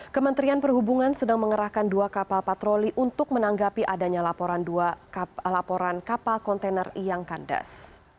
kementerian perhubungan sedang mengerahkan dua kapal patroli untuk menanggapi adanya laporan kapal kontainer yang kandas